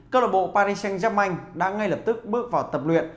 cơ lợi bộ paris saint germain đã ngay lập tức bước vào tập luyện